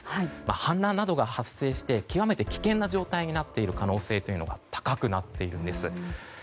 氾濫などが発生して極めて危険な状態になっている可能性が高くなっているんです。